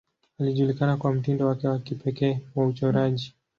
Alijulikana kwa mtindo wake wa kipekee wa uchoraji.